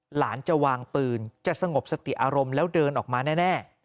หลานจะวางปืนจะสงบสติอารมณ์แล้วเดินออกมาแน่